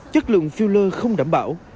chất lượng phiêu lơ không đảm bảo